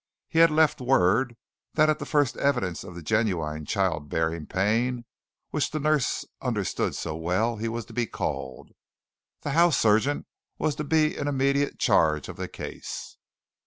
He had left word that at the first evidence of the genuine childbearing pain, which the nurse understood so well, he was to be called. The house surgeon was to be in immediate charge of the case.